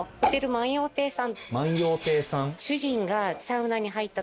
万葉亭さん？